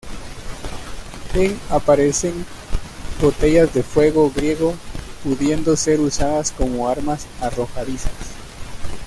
En aparecen botellas de fuego griego pudiendo ser usadas como armas arrojadizas.